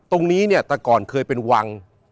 ตรงนี้แต่ก่อนเคยเป็นวัง